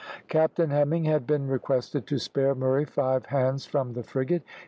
Captain Hemming had been requested to spare Murray five hands from the frigate.